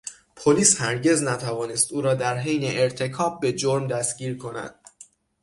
پلیس هرگز نتوانست او را در حین ارتکاب به جرم دستگیر کند.